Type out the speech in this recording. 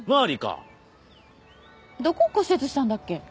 どこ骨折したんだっけ？